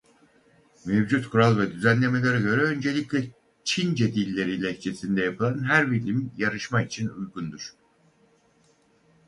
Mevcut kural ve düzenlemelere göre öncelikle Çince dilleri lehçesinde yapılan her film yarışma için uygundur.